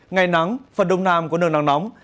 ngày nắng phần đông nam có nơi nắng nóng